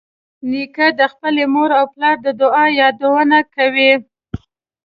نیکه د خپلې مور او پلار د دعا یادونه کوي.